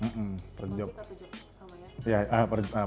kayak oke kalau yang ini bagusnya buat anak anak